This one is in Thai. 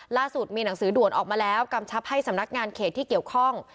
ล่าสุดมีหนังสือด่วนออกมาแล้วกำชับให้สำนักงานเขตที่เกี่ยวข้อง